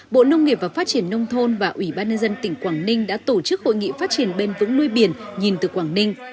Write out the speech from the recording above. bộ nông nghiệp và phát triển nông thôn và ủy ban nhân dân tỉnh quảng ninh đã tổ chức hội nghị phát triển bền vững nuôi biển nhìn từ quảng ninh